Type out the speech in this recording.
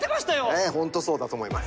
ええホントそうだと思います。